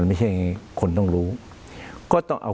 คุณจอมขอบพระคุณครับ